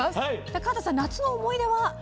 高畑さん夏の思い出は？